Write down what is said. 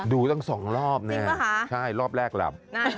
ดูตั้ง๒รอบแน่ใช่รอบแรกหลับ